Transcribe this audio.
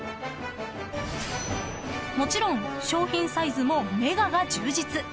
［もちろん商品サイズもＭＥＧＡが充実］